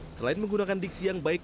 selain menggunakan diksi yang baik